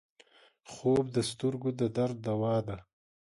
خوب د سترګو د درد دوا ده